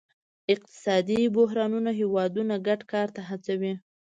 اقتصادي بحرانونه هیوادونه ګډ کار ته هڅوي